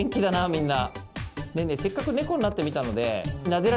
みんな。